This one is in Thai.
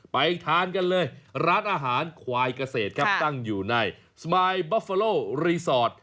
ไปทานกันเลยร้านอาหารควายเกษตรครับตั้งอยู่ในสมายบอฟเฟอโลรีสอร์ท